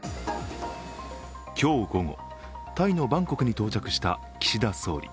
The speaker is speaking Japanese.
今日午後、タイのバンコクに到着した岸田総理。